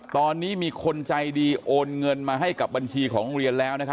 ตอนนี้มีคนใจดีโอนเงินมาให้กับบัญชีของโรงเรียนแล้วนะครับ